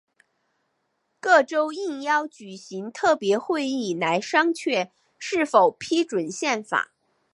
各州应邀举行特别会议来商榷是否批准宪法。